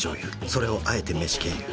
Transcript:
それをあえて飯経由。